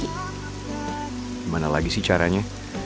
gimana lagi sih caranya